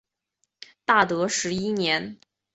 大德十一年。